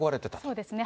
そうですね。